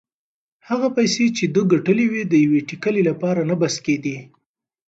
هغه پیسې چې ده ګټلې وې د یوې ټکلې لپاره نه بس کېدې.